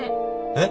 えっ？